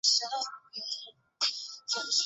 国家运动场车站里的一个车站。